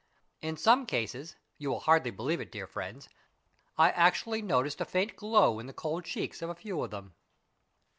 In some cases, you will hardly believe it, dear friends, I actually noticed a faint glow in the cold cheeks of a few of them.